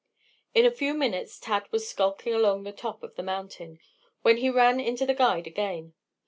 In a few minutes Tad was skulking along the top of the mountain, when he ran into the guide again.